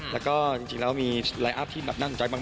แล้วก็จริงแล้วมีไลอัพที่แบบน่าสนใจมาก